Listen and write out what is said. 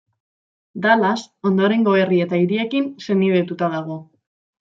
Dallas ondorengo herri eta hiriekin senidetuta dago.